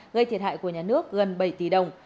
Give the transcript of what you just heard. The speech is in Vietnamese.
gây thiệt hại của nhà nước gần bảy tỷ đồng